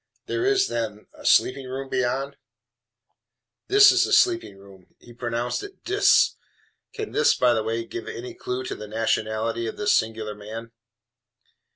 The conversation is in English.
"There is, then, a sleeping room beyond?" "This is the sleeping room." (He pronounces it DIS. Can this, by the way, give any clew to the nationality of this singular man?)